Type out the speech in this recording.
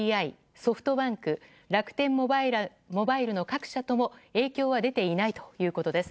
ソフトバンク楽天モバイルの各社とも影響は出ていないということです。